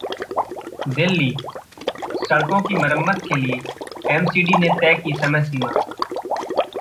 दिल्ली: सड़कों की मरम्मत के लिए एमसीडी ने तय की समय सीमा